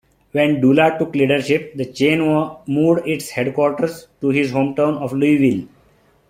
When Dula took leadership, the chain moved its headquarters to his hometown of Louisville.